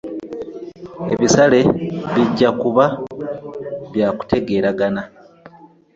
Ebisale bijja kuba bya kutegeeragana.